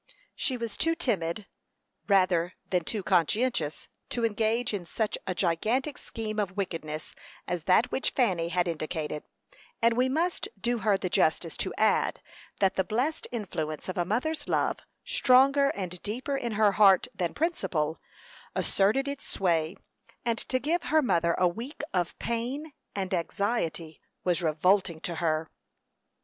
She was too timid, rather than too conscientious, to engage in such a gigantic scheme of wickedness as that which Fanny had indicated; and we must do her the justice to add, that the blessed influence of a mother's love, stronger and deeper in her heart than principle, asserted its sway, and to give her mother a week of pain and anxiety was revolting to her.